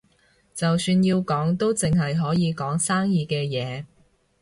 就算要講，都淨係可以講生意嘅嘢